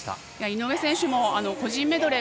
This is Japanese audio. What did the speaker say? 井上選手も個人メドレー